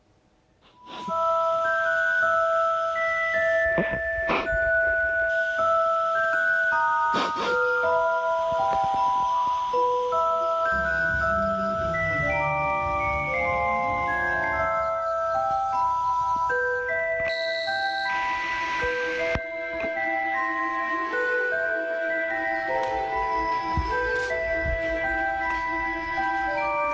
มีแต่เสียงตุ๊กแก่กลางคืนไม่กล้าเข้าห้องน้ำด้วยซ้ำ